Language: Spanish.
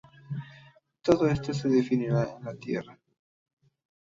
Todo esto se definirá en la Tierra.